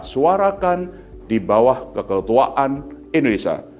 suarakan di bawah keketuaan indonesia